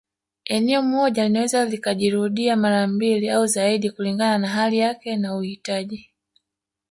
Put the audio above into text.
Eneo moja linaweza likajirudia mara mbili au zaidi kulingana na hali yake na uhitaji